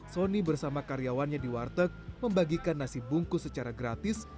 sony bersama karyawannya di warteg membagikan nasi bungkus secara gratis